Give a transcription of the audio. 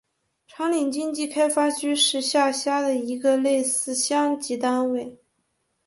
长岭经济开发区是下辖的一个类似乡级单位。